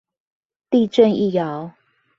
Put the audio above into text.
地震一搖